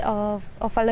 menyesuaikan saja ya